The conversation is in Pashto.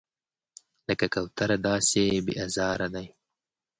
لکه کوتره داسې بې آزاره دی.